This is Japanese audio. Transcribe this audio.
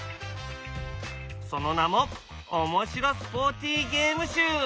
その名も「おもしろスポーティ・ゲームしゅう」。